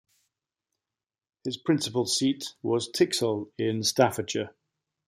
His principal seat was Tixall in Staffordshire.